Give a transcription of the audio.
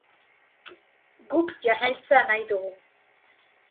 Guk jarraitzea nahi dugu.